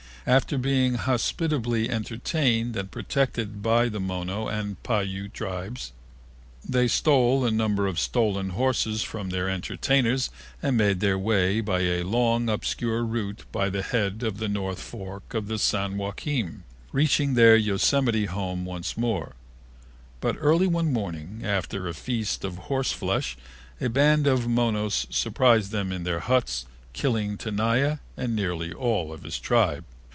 After being hospitably entertained and protected by the Mono and Paute tribes, they stole a number of stolen horses from their entertainers and made their way by a long, obscure route by the head of the north fork of the San Joaquin, reached their Yosemite home once more, but early one morning, after a feast of horse flesh, a band of Monos surprised them in their huts, killing Tenaya and nearly all his tribe.